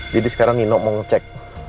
jadi sekarang nino mau ngecek